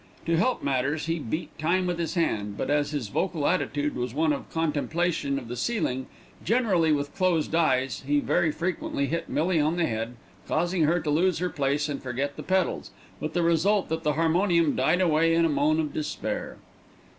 To help matters he beat time with his hand, but as his vocal attitude was one of contemplation of the ceiling, generally with closed eyes, he very frequently hit Millie on the head, causing her to lose her place and forget the pedals, with the result that the harmonium died away in a moan of despair.